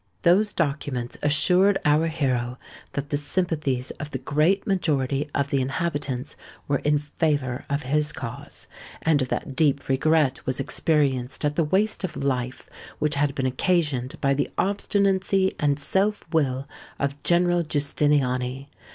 Those documents assured our hero that the sympathies of the great majority of the inhabitants were in favour of his cause; and that deep regret was experienced at the waste of life which had been occasioned by the obstinacy and self will of General Giustiniani.